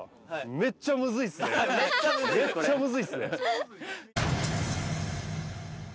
めっちゃムズいっすね。